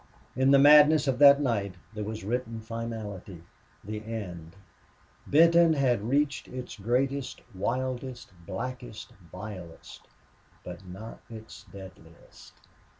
In the madness of that night there was written finality the end. Benton had reached its greatest, wildest, blackest, vilest. But not its deadliest!